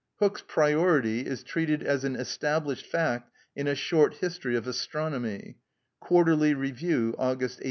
Hooke's priority is treated as an established fact in a short history of astronomy, Quarterly Review, August 1828.